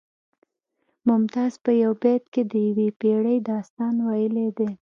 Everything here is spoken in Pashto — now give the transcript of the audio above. ممتاز په یو بیت کې د یوې پیړۍ داستان ویلی دی